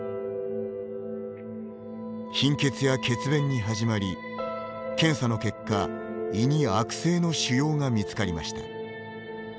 貧血や血便に始まり、検査の結果胃に悪性の腫瘍が見つかりました。